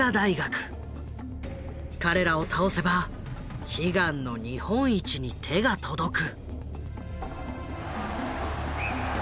彼らを倒せば悲願の日本一に手が届く。